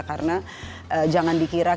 karena jangan dikira kita